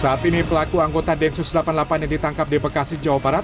saat ini pelaku anggota densus delapan puluh delapan yang ditangkap di bekasi jawa barat